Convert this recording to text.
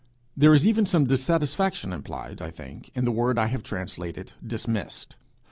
There is even some dissatisfaction implied, I think, in the word I have translated 'dismissed.'